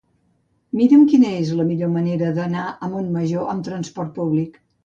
Mira'm quina és la millor manera d'anar a Montmajor amb trasport públic.